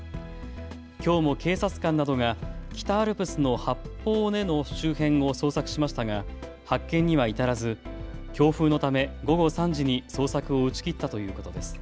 きょうも警察官などが北アルプスの八方尾根の周辺を捜索しましたが発見には至らず強風のため午後３時に捜索を打ち切ったということです。